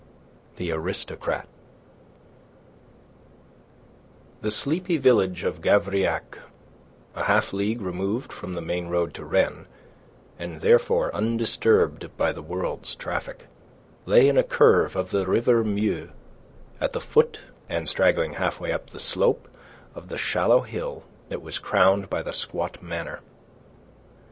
THE ARISTOCRAT The sleepy village of Gavrillac, a half league removed from the main road to Rennes, and therefore undisturbed by the world's traffic, lay in a curve of the River Meu, at the foot, and straggling halfway up the slope, of the shallow hill that was crowned by the squat manor.